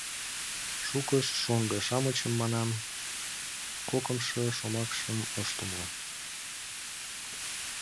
Шукышт, шоҥго-шамычым манам, кокымшо шомакшым ышт умыло.